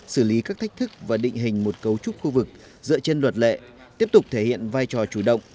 xử lý các thách thức và định hình một cấu trúc khu vực dựa trên luật lệ tiếp tục thể hiện vai trò chủ động